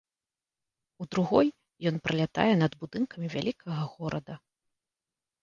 У другой ён пралятае над будынкамі вялікага горада.